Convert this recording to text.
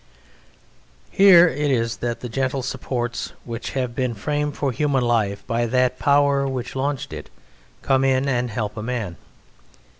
Here it is that the gentle supports which have been framed for human life by that power which launched it come in and help a man.